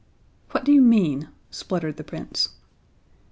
"What do you mean?" spluttered the Prince.